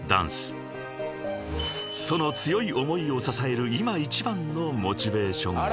［その強い思いを支える今一番のモチベーションが］